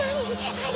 あれ。